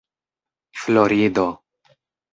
florido